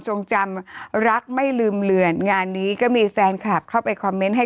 ทรงจำรักไม่ลืมเหลือนงานนี้ก็มีแฟนคลับเข้าไปคอมเมนต์ให้